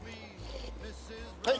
はい。